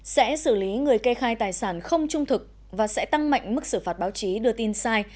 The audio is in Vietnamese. sẽ xử lý người kê khai tài sản không trung thực và sẽ tăng mạnh mức xử phạt báo chí đưa tin sai